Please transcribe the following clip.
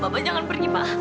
bapak jangan pergi pak